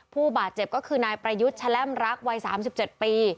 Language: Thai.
ผู้บาดเจ็บก็คือนายประยุทธ์แชล่มรักวัย๓๗ปี